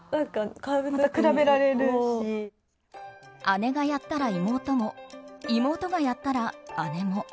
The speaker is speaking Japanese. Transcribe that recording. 姉がやったら妹も妹がやったら姉も。